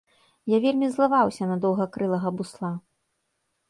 Я вельмі злаваўся на даўгакрылага бусла.